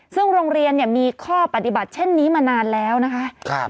ซึ่งโรงเรียนมีข้อปฏิบัติเช่นนี้มานานแล้วนะคะ